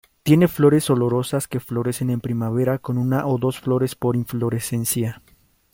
Tiene flores olorosas que florecen en primavera con una o dos flores por inflorescencia.